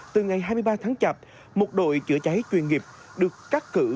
từ ngày hai mươi ba tháng chạp một đội chữa cháy chuyên nghiệp được cắt cử